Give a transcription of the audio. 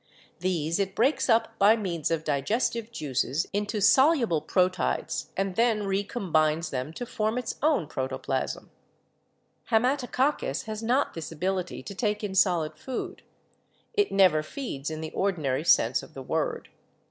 These it breaks up by means of diges tive juices into soluble proteids and then recombines them to form its own protoplasm. Haematococcus has not this ability to take in solid food ; it never feeds in the ordinary sense of the word.